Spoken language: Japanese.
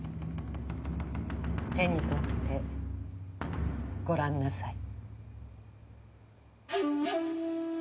手に取ってご覧なさい。